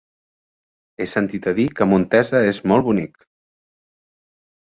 He sentit a dir que Montesa és molt bonic.